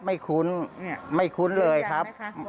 ไม่คุ้นเนี้ยไม่คุ้นเลยครับคือจังไหมคะ